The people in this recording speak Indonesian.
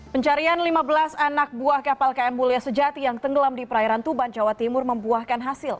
pencarian lima belas anak buah kapal km mulia sejati yang tenggelam di perairan tuban jawa timur membuahkan hasil